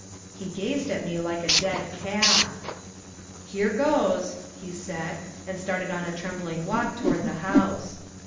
He gazed at me like a dead calf. "Here goes," he said, and started on a trembling walk toward the house.